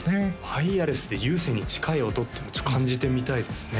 ワイヤレスで有線に近い音っていうのは感じてみたいですね